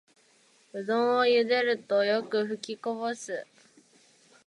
うどんをゆでるとよくふきこぼす